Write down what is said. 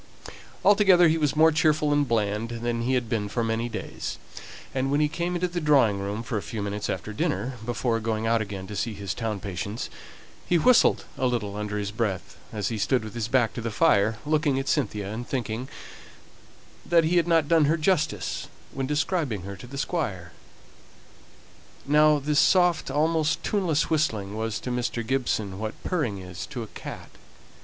Altogether, he was more cheerful and bland than he had been for many days; and when he came up into the drawing room for a few minutes after dinner, before going out again to see his town patients, he whistled a little under his breath, as he stood with his back to the fire, looking at Cynthia, and thinking that he had not done her justice when describing her to the Squire. Now this soft, almost tuneless whistling, was to Mr. Gibson what purring is to a cat.